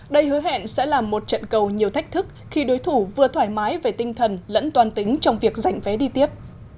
đây hứa hẹn sẽ là một trận cầu nhiều thách thức khi đối thủ vừa thoải mái về tinh thần lẫn toàn tính trong việc giành vé đi tiếp